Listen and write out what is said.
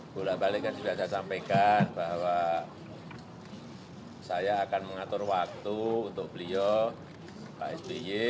bolak balik kan sudah saya sampaikan bahwa saya akan mengatur waktu untuk beliau pak sby